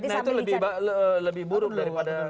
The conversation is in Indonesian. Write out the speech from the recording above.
nah itu lebih buruk daripada